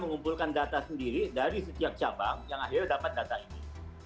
mengumpulkan data sendiri dari setiap cabang yang akhirnya dapat data ini